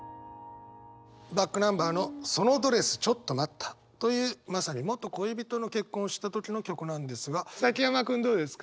ｂａｃｋｎｕｍｂｅｒの「そのドレスちょっと待った」というまさに元恋人の結婚した時の曲なんですが崎山君どうですか？